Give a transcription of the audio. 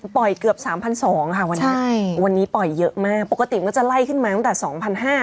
เกือบสามพันสองค่ะวันนี้วันนี้ปล่อยเยอะมากปกติมันจะไล่ขึ้นมาตั้งแต่สองพันห้า